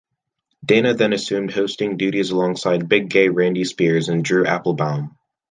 Dana then assumed hosting duties alongside "Big Gay" Randy Spears and Drew Applebaum.